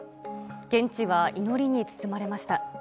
現地は祈りに包まれました。